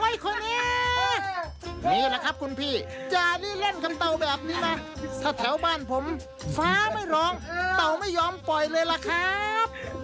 อย่างนี้ก็แปลกดีนะครับ